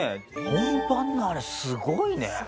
本番のあれすごいね。